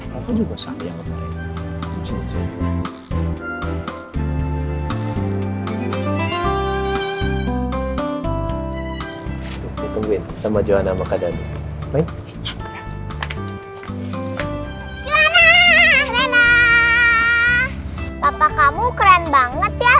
bapak kamu keren banget ya